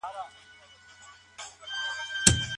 د نورو احترام بايد د انسان ژوند تخريب نکړي.